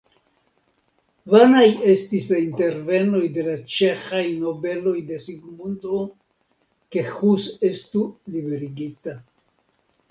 Vanaj estis la intervenoj de la ĉeĥaj nobeloj ĉe Sigmundo, ke Hus estu liberigita.